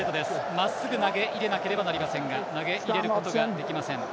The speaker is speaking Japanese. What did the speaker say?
まっすぐ投げ入れなければいけませんが投げ入れることができません。